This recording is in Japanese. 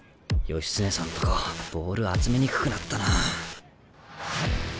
義経さんとこボール集めにくくなったな。